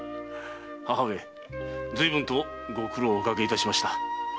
母上ずいぶんとご苦労をおかけいたしました。